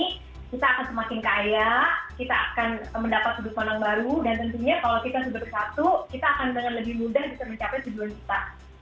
kita akan semakin kaya kita akan mendapat sudut pandang baru dan tentunya kalau kita sudah bersatu kita akan dengan lebih mudah bisa mencapai tujuan kita